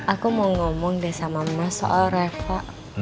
aku mau ngomong deh sama mas soal revo